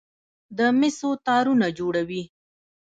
د مسو تارونه جوړوي.